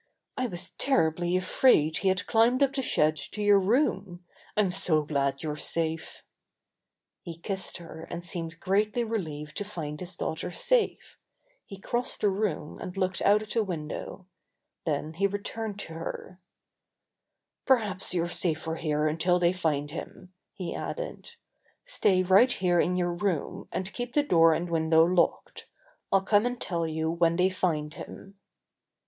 "I was terribly afraid he had climbed up the shed to your room. I'm so glad you're safe." He kissed her and seemed greatly relieved to find his daughter safe. He crossed the room and looked out of the window. Then he returned to her. Ill 112 Buster the Bear "Perhaps you're safer here until they find him," he added. "Stay right here in your room, and keep the door and window locked. I'll come and tell you when they find him."